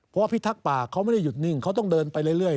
เพราะพิทักษ์ป่าเขาไม่ได้หยุดนิ่งเขาต้องเดินไปเรื่อย